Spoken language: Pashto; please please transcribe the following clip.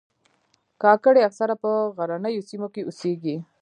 کاکړي اکثره په غرنیو سیمو کې اوسیږي.